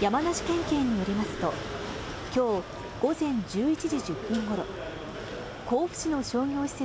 山梨県警によりますと、きょう午前１１時１０分ごろ、甲府市の商業施設、